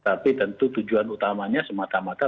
tapi tentu tujuan utamanya semata mata